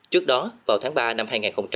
trước đó vào tháng ba năm hai nghìn một mươi tám